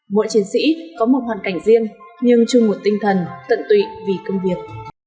mỗi chiến sĩ có một hoàn cảnh riêng nhưng chung một tinh thần tận tụy vì công việc